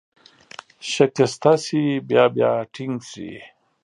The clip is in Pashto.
شکسته شي، بیا بیا ټینګ شي.